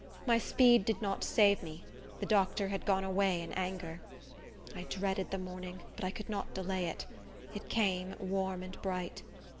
My speed did not save me; the doctor had gone away in anger. I dreaded the morning, but I could not delay it; it came, warm and bright.